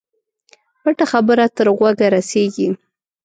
پټه خبره تر غوږه رسېږي.